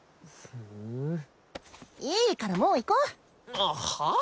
ふーんいいからもう行こうはあ？